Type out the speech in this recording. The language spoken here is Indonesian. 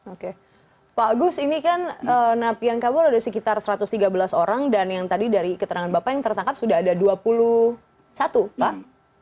oke pak agus ini kan napi yang kabur ada sekitar satu ratus tiga belas orang dan yang tadi dari keterangan bapak yang tertangkap sudah ada dua puluh satu pak